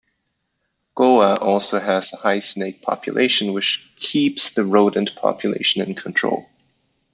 Goa also has a high snake population, which keeps the rodent population in control.